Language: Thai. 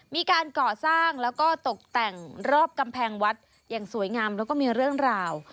มีการก่อสร้างแล้วก็ตกแต่งรอบกำแพงวัดอย่างสวยงามแล้วก็มีเรื่องราว